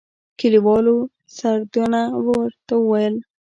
کلیوالو سردنه ورته ويل.